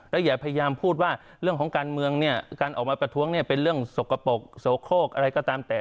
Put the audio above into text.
แล้วอย่าพยายามพูดว่าเรื่องของการเมืองเนี่ยการออกมาประท้วงเนี่ยเป็นเรื่องสกปรกโสโคกอะไรก็ตามแต่